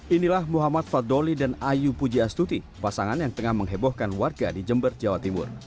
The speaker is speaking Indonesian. inilah muhammad faddoli dan ayu pujiastuti pasangan yang tengah menghebohkan warga di jember jawa timur